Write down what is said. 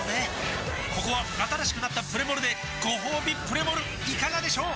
ここは新しくなったプレモルでごほうびプレモルいかがでしょう？